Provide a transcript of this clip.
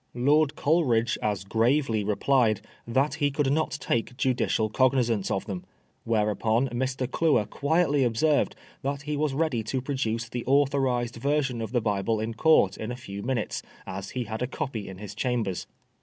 Lord Coleridge as gravely replied that he could not take judicial cognisance of them. Whereupon Mr. Cluer quietly observed that he was ready to produce the authorised version of the Bible in court in a few minutes, as he had a copy in his chambers.